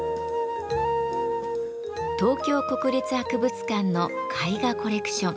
東京国立博物館の絵画コレクション。